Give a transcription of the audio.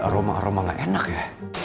aroma aroma gak enak ya